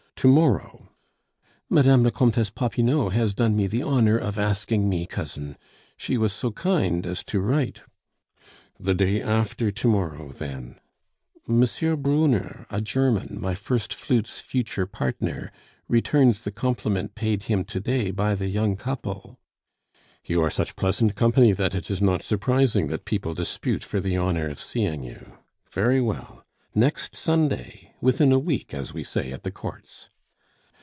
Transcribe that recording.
To morrow." "Mme. la Comtesse Popinot has done me the honor of asking me, cousin. She was so kind as to write " "The day after to morrow then." "M. Brunner, a German, my first flute's future partner, returns the compliment paid him to day by the young couple " "You are such pleasant company that it is not surprising that people dispute for the honor of seeing you. Very well, next Sunday? Within a week, as we say at the courts?"